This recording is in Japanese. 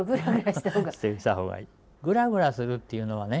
グラグラするっていうのはね